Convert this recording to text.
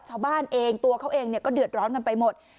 ชาวบ้านเองตัวเขาเองก็เดือดร้อนกันไปหมด